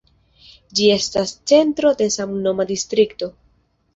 Ĝi estas centro de samnoma distrikto.